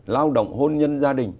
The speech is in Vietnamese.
lao động hôn nhân gia đình